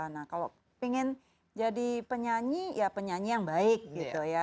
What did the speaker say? nah kalau ingin jadi penyanyi ya penyanyi yang baik gitu ya